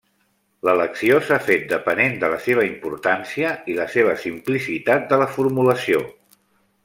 L'elecció s'ha fet depenent de la seva importància i la seva simplicitat de la formulació.